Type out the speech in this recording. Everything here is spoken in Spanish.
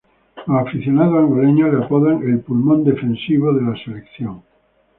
Los aficionados angoleños le apodan el "pulmón defensivo" de la selección.